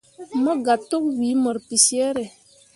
Mobga tokwii mur bicere.